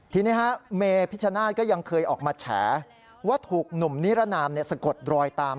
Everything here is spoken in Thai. ทีนี้ฮะเมพิชชนาธิ์ก็ยังเคยออกมาแฉว่าถูกหนุ่มนิรนามสะกดรอยตาม